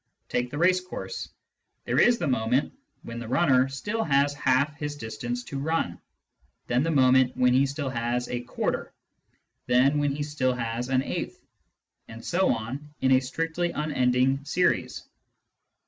Take the race course : there is the moment when the runner still has half his distance to run, then the moment when he still has a quarter, then when he still has an eighth, and so on in a strictly unending scries.